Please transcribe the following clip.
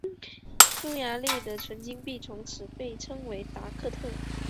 匈牙利的纯金币从此被称为达克特。